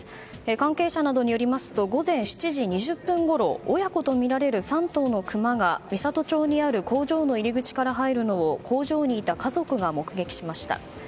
関係者などによりますと午前７時２０分ごろ親子とみられる３頭のクマが美郷町にある工場の入り口から入るのを工場にいた家族が目撃しました。